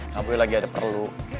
kak boy lagi ada perlu